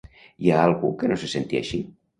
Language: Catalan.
Hi ha algú que no se senti així?